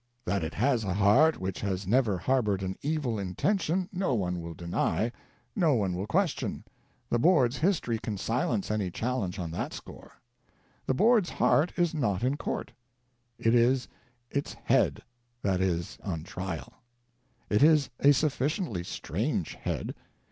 That it has a heart which has never harbored an evil intention, no one will deny, no one will question; the Board's history can silence any challenge on that score. The Board's heart is not in court : it is its head that is on trial. It is a sufficiently strange head.